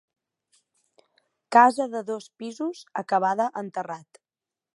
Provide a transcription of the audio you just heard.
Casa de dos pisos acabada en terrat.